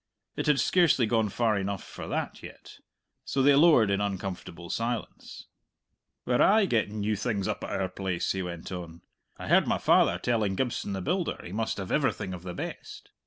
It had scarcely gone far enough for that yet, so they lowered in uncomfortable silence. "We're aye getting new things up at our place," he went on. "I heard my father telling Gibson the builder he must have everything of the best!